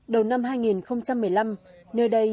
đầu năm hai nghìn một mươi năm nơi đây